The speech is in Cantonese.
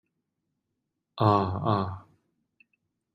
啊呀